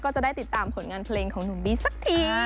ก็จะได้ติดตามผลงานเพลงของหนุ่มบีสักที